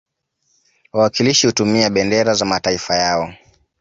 Wawakilishi hutumia bendera za mataifa yao